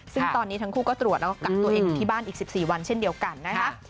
ซึ่งตอนนี้ทั้งคู่ก็ตรวจแล้วก็กักตัวเองอยู่ที่บ้านอีก๑๔วันเช่นเดียวกันนะคะ